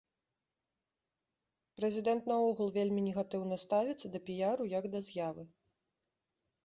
Прэзідэнт наогул вельмі негатыўна ставіцца да піяру як да з'явы.